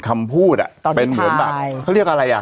มาพูดนะครับดูโอเคครับคุณสัยดูเข้าใจถึงได้คำ